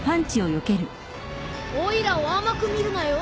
おいらを甘く見るなよ。